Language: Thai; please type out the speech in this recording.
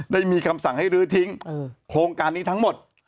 ได้มีคำสั่งให้ลื้อทิ้งโครงการนี้ทั้งหมด